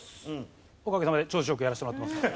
おかげさまで調子よくやらせてもらってます。